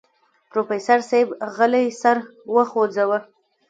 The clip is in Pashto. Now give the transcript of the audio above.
پروفيسر صيب غلی سر وخوځوه.